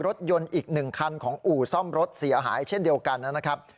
รถยนต์อีก๑คันของอู่ซ่อมรถเสียหายเช่นเดียวกันนะครับ